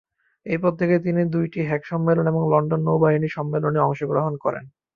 এই পদে থেকে তিনি দুইটি হেগ সম্মেলন এবং লন্ডন নৌবাহিনী সম্মেলনে অংশগ্রহণ করেন।